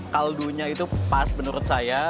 kaldu nya itu pas menurut saya